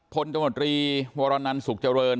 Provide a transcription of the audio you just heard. ผลจังหวัดรีวรรณันสุขเจริญ